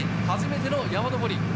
初めての山上り。